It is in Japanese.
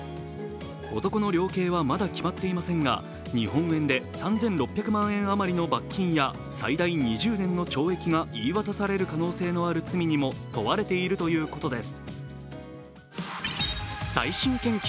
男の量刑はまだ決まっていませんが日本円で３６００万円余りの罰金や最大２０年の懲役が言い渡される可能性のある罪にも問われているということです。